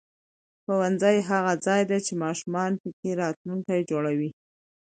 ښوونځی هغه ځای دی چې ماشومان پکې راتلونکی جوړوي